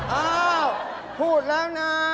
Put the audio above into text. เออเอาพูดแล้วนะ